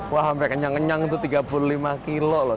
wah sampai kenyang kenyang itu tiga puluh lima kilo loh